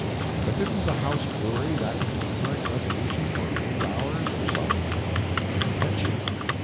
But didn't the House worry that concurrent resolution for a few hours or so? You bet you.